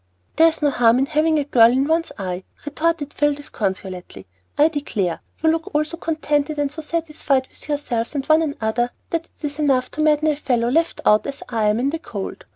"There's no harm in having a girl in one's eye," retorted Phil, disconsolately. "I declare, you all look so contented and so satisfied with yourselves and one another, that it's enough to madden a fellow, left out, as I am, in the cold!